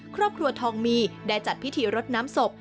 ครอบครัวทองมีได้จัดพิธีรดน้ำศพ